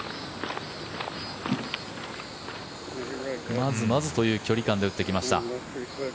まずまずという距離感で打ってきました。